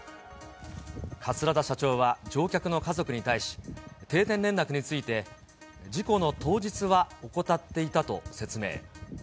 桂田社長は乗客の家族に対し、定点連絡について、事故の当日は怠っていたと説明。